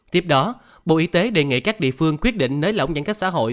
tiếp đó bộ y tế đề nghị các địa phương quyết định nới lỏng giãn cách xã hội